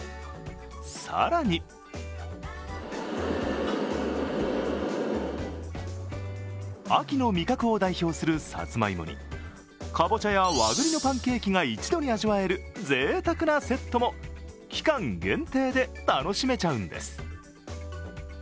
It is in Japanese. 更に、秋の味覚を代表するさつまいもにかぼちゃや和栗のパンケーキが一度に味わえるぜいたくなセットも期間限定で楽しめちゃうんです。